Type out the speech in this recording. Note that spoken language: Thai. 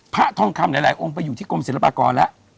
ทองคำหลายองค์ไปอยู่ที่กรมศิลปากรแล้ว